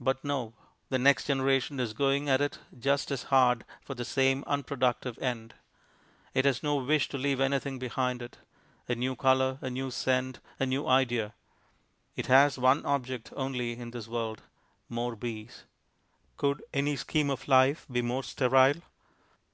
But no. The next generation is going at it just as hard for the same unproductive end; it has no wish to leave anything behind it a new colour, a new scent, a new idea. It has one object only in this world more bees. Could any scheme of life be more sterile?